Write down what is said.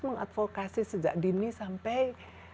mengadvokasi sejak dini sampai